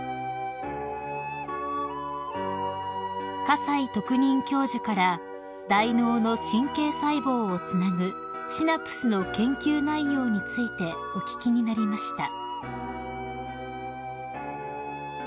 ［河西特任教授から大脳の神経細胞をつなぐシナプスの研究内容についてお聞きになりました］